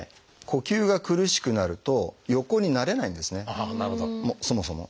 呼吸が苦しくなると横になれないんですねそもそも。